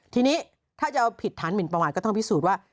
ทีนี้ถ้าจะเอาผิดฐานหมินประมาทก็ต้องพิสูจน์ว่า